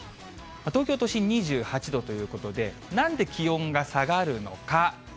東京都心２８度ということで、なんで気温が下がるのか。